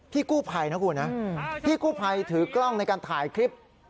พี่กู้ภัยนะคุณนะพี่กู้ภัยถือกล้องในการถ่ายคลิป